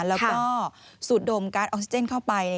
แล้วก็สูดดมการ์ดออกซิเจนเข้าไป